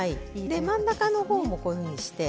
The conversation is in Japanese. で真ん中の方もこういうふうにして。